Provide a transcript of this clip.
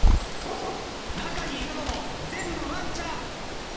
中にいたのも全部わんちゃん。